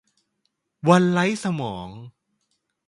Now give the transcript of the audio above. วันไร้สมอง